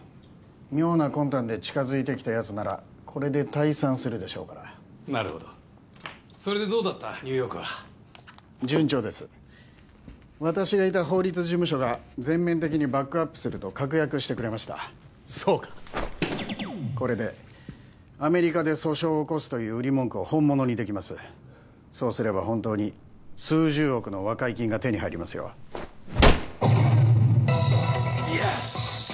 妙な魂胆で近づいてきたやつならこれで退散するでしょうからなるほどそれでどうだったニューヨークは順調です私がいた法律事務所が全面的にバックアップすると確約してくれましたそうかこれでアメリカで訴訟を起こすという売り文句を本物にできますそうすれば本当に数十億の和解金が手に入りますよイエス！